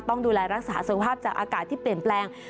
ต้องดูแลรักษาสุขภาพจากอากาศที่เปลี่ยนแปลง